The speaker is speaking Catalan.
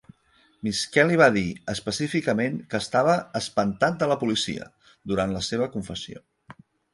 MIsskelley va dir específicament que estava "espantat de la policia" durant la seva confessió.